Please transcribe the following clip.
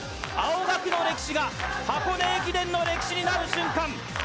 青学の歴史が、箱根駅伝の歴史になる瞬間。